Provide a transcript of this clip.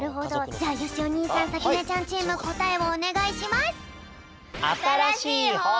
じゃあよしお兄さんさきねちゃんチームこたえをおねがいします！